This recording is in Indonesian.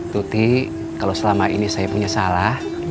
tuti kalau selama ini saya punya salah